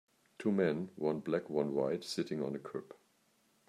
Two men, one black, one white sitting on a curb.